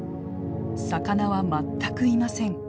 魚は全くいません。